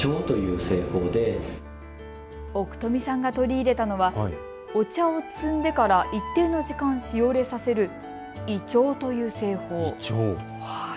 奥富さんが取り入れたのはお茶を摘んでから一定の時間しおれさせる萎凋という製法。